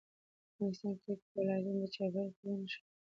افغانستان کې ولایتونه د چاپېریال د تغیر نښه ده.